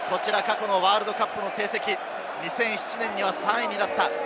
過去のワールドカップの成績、２００７年には３位になった。